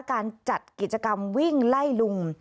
การจัดกิจกรรมวิ่งไล่ลุง